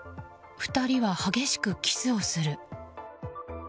２人は激しくキスをする。